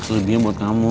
selidihnya buat kamu